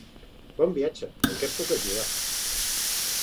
Bon viatge! En què et puc ajudar?